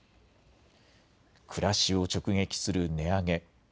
暮らしを直撃する値上げ。